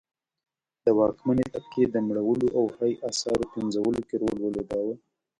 د واکمنې طبقې د مړولو او هي اثارو پنځولو کې رول ولوباوه.